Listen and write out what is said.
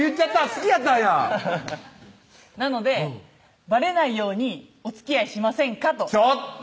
好きやったんやなので「バレないようにおつきあいしませんか？」とちょっと！